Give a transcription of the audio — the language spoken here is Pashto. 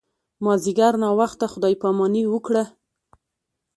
مازیګر ناوخته خدای پاماني وکړه.